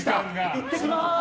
行ってきます！